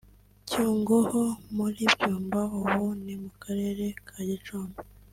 Cyungo ho muri Byumba (Ubu ni mu Karere ka Gicumbi)